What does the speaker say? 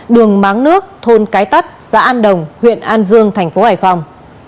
đường máng nước thôn cái tắt xã an đồng huyện an dương thành phố hải phòng